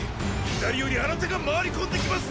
左より新手が回り込んできます！